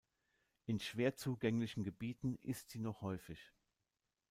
In schwer zugänglichen Gebieten ist sie noch häufig.